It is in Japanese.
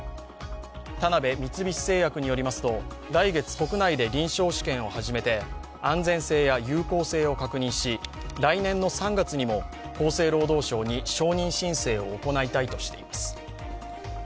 田辺三菱製薬によりますと来月国内で臨床試験を始めて、安全性や有効性を確認し来年３月にも厚生労働省に承認申請を行いたいとしています。